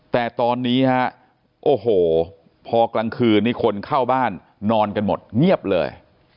แต่ตอนนี้ฮะโอ้โหพอกลางคืนนี่คนเข้าบ้านนอนกันหมดเงียบเลย